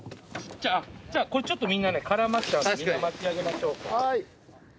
これちょっとみんなね絡まっちゃうのでみんな巻き上げましょうか。